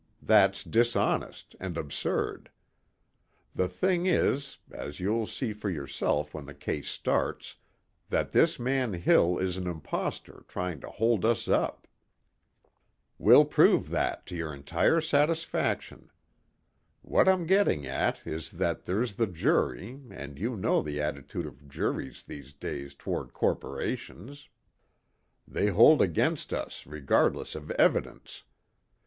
That's dishonest and absurd. The thing is, as you'll see for yourself when the case starts, that this man Hill is an impostor trying to hold us up. We'll prove that to your entire satisfaction. What I'm getting at is that there's the jury and you know the attitude of juries these days toward corporations. They hold against us regardless of evidence.